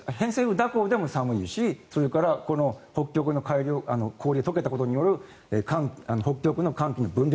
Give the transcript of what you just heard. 蛇行でも寒いしそれからこの北極の氷が解けたことによる北極の寒気の分裂